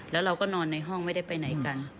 แล้วเราก็นอนในห้องไม่ได้ไปไหนกัน